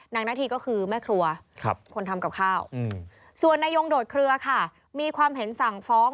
นาธีก็คือแม่ครัวคนทำกับข้าวส่วนนายงโดดเครือค่ะมีความเห็นสั่งฟ้อง